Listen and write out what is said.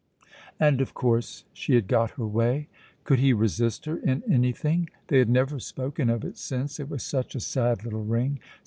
And of course she had got her way. Could he resist her in anything? They had never spoken of it since, it was such a sad little ring.